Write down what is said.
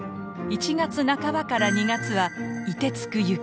１月半ばから２月は「凍てつく雪」。